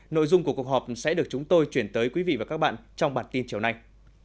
nội dung của cuộc họp sẽ được chúng tôi chuyển tới quý vị và các bạn trong bản tin chiều nay